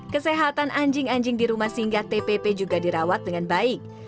kesehatan anjing anjing di rumah singgah tpp juga dirawat dengan baik